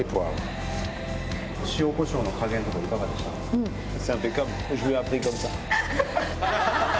塩こしょうの加減とかいかがですか？